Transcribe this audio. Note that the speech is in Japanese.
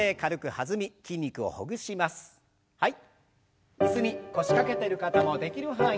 はい。